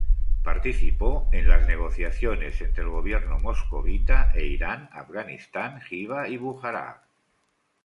Participó en las negociaciones entre el Gobierno moscovita e Irán, Afganistán, Jiva y Bujará.